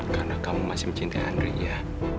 karena kamu masih mencintai andri ya